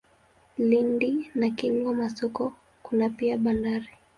Lindi na Kilwa Masoko kuna pia bandari.